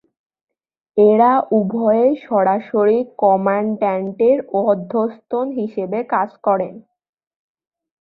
এরা উভয়েই সরাসরি কমান্ড্যান্টের অধস্তন হিসেবে কাজ করেন।